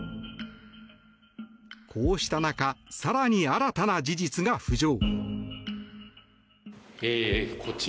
こうした中更に新たな事実が浮上。